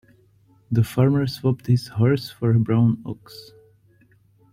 The farmer swapped his horse for a brown ox.